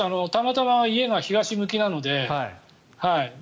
たまたま家が東向きなので。